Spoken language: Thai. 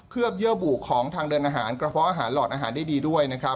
เยื่อบุของทางเดินอาหารกระเพาะอาหารหลอดอาหารได้ดีด้วยนะครับ